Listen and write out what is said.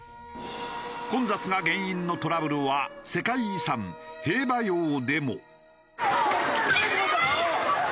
混雑が原因のトラブルは世界遺産兵馬俑でも。